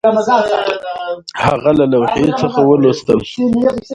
هغه له لوحې څخه ولوستل